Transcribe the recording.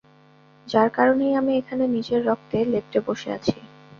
যার কারণেই আমি এখানে নিজের রক্তে লেপ্টে বসে আছি।